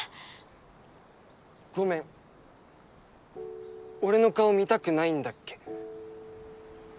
ごめん俺の顔見たくないんだっけ？